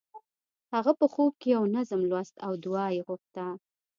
هغه په خوب کې یو نظم لوست او دعا یې غوښته